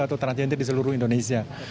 atau transit di seluruh indonesia